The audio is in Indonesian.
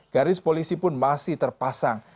garis polisi pun masih terpasang